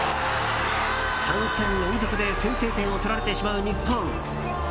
３戦連続で先制点を取られてしまう日本。